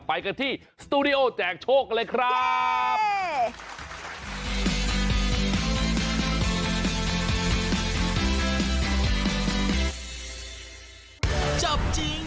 ไปกันที่สตูดิโอแจกโชคกันเลยครับ